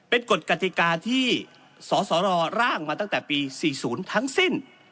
เป็นกฎกติกาที่สสรร่างมาตั้งแต่ปี๔๐ทั้งสิ้น